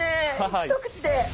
一口で。